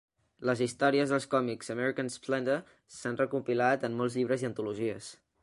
Les històries dels còmics "American Splendor" s'han recopilat en molts llibres i antologies.